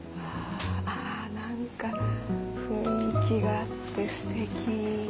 何か雰囲気があってすてき。